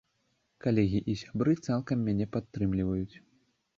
Калегі і сябры цалкам мяне падтрымліваюць.